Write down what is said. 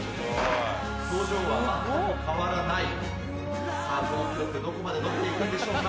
表情が変わらない、記録、どこまで伸びていくんでしょうか。